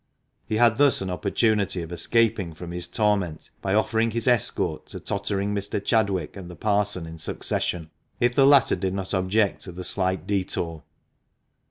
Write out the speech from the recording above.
He had thus an opportunity of escaping from his torment, by offering his escort to tottering Mr. Chadwick and the Parson in succession, if the latter did not object to the slight detour.